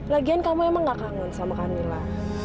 lagian kamu memang tidak kangen sama kamila